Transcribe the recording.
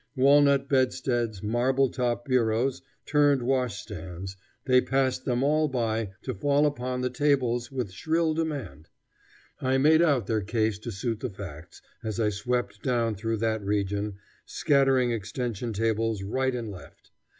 Walnut bed steads, marble top bureaus, turned washstands they passed them all by to fall upon the tables with shrill demand. I made out their case to suit the facts, as I swept down through that region, scattering extension tables right and left.